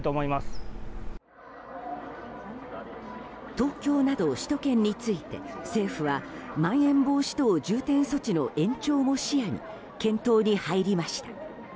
東京など首都圏について政府はまん延防止等重点措置の延長も視野に検討に入りました。